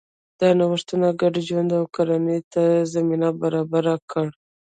دا نوښتونه ګډ ژوند او کرنې ته زمینه برابره کړه.